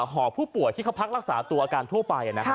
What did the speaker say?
หอผู้ป่วยที่เขาพักรักษาตัวอาการทั่วไป